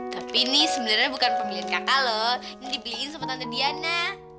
tapi ini sebenarnya bukan pemilik kakak loh ini dibikin sama tante diana